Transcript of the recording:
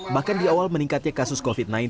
bahkan di awal meningkatnya kasus covid sembilan belas